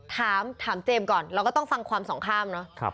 ถามเจมส์ก่อนเราก็ต้องฟังความสองข้างเนอะ